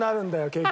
結局。